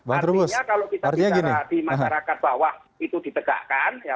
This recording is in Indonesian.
artinya kalau kita bicara di masyarakat bawah itu ditegakkan